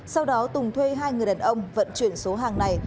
sau đó tùng thuê hai người đàn ông vận chuyển số hàng này